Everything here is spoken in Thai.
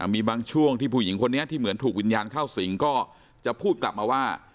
มีบางช่วงที่ผู้หญิงคนนี้ที่เหมือนถูกวิญญาณเข้าสิงก็จะพูดกลับมาว่า